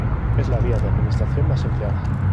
Es la vía de administración más empleada.